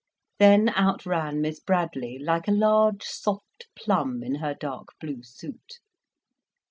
Then out ran Miss Bradley, like a large, soft plum in her dark blue suit.